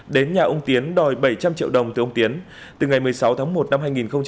đến nhà ông tiến đòi bảy trăm linh triệu đồng từ ông tiến từ ngày một mươi sáu tháng một năm hai nghìn một mươi chín